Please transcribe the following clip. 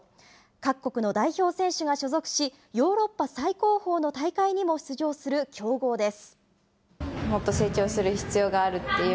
各国の代表選手が所属し、ヨーロッパ最高峰の大会にも出場する強豪です。